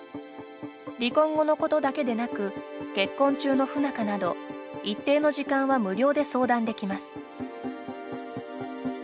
離婚後のことだけでなく結婚中の不仲など一定の時間は無料で相談できます。